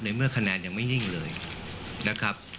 เมื่อคะแนนยังไม่นิ่งเลยนะครับ